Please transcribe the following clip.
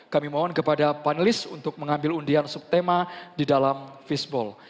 kami mohon kepada panelis untuk mengambil undian subtema di dalam fishball